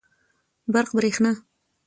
برق √ بريښنا